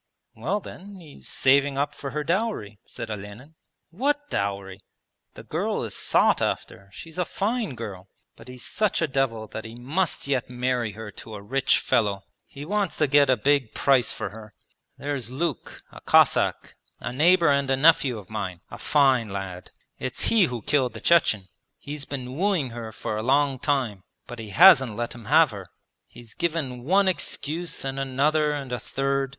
'Well then, he's saving up for her dowry,' said Olenin. 'What dowry? The girl is sought after, she's a fine girl. But he's such a devil that he must yet marry her to a rich fellow. He wants to get a big price for her. There's Luke, a Cossack, a neighbour and a nephew of mine, a fine lad. It's he who killed the Chechen he has been wooing her for a long time, but he hasn't let him have her. He's given one excuse, and another, and a third.